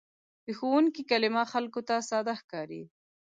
د ښوونکي کلمه خلکو ته ساده ښکاري.